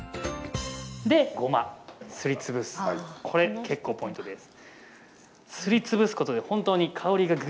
これ結構ポイントです。